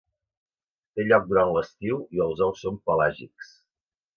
Té lloc durant l'estiu i els ous són pelàgics.